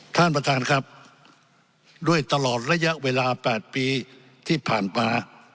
ท่านประธานครับด้วยตลอดระยะเวลา๘ปีที่ผ่านมา